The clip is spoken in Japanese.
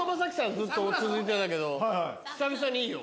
ずっと続いてたけど久々にいいよ。